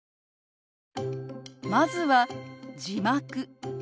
まずは「字幕」。